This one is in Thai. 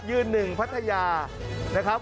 ยืนหนึ่งพัทยานะครับ